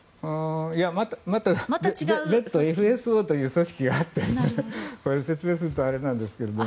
また別途、ＦＳＯという組織があって説明するとあれなんですが。